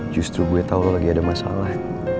justru gue tau lo lagi ada masalah